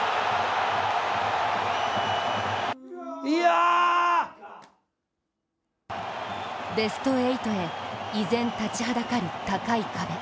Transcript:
いやあベスト８へ、依然立ちはだかる高い壁。